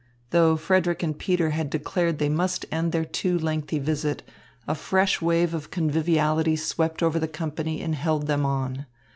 Though Frederick and Peter had declared they must end their too lengthy visit, a fresh wave of conviviality swept over the company and held them on.